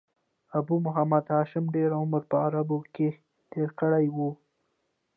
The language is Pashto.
ابو محمد هاشم ډېر عمر په عربو کښي تېر کړی وو.